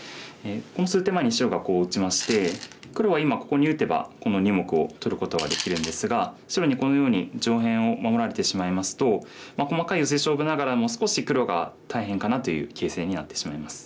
この数手前に白がこう打ちまして黒は今ここに打てばこの２目を取ることはできるんですが白にこのように上辺を守られてしまいますと細かいヨセ勝負ながらも少し黒が大変かなという形勢になってしまいます。